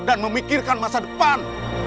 dan memikirkan masa depan